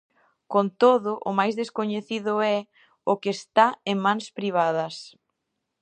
Con todo, o máis descoñecido é o que está en mans privadas.